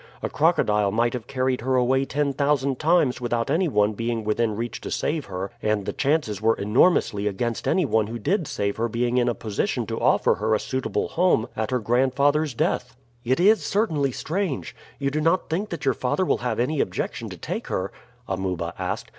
A crocodile might have carried her away ten thousand times without any one being within reach to save her and the chances were enormously against any one who did save her being in a position to offer her a suitable home at her grandfather's death." "It is certainly strange. You do not think that your father will have any objection to take her?" Amuba asked.